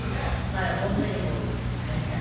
はいほんとにもう悲しかったです。